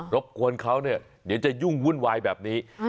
บกวนเขาเนี่ยเดี๋ยวจะยุ่งวุ่นวายแบบนี้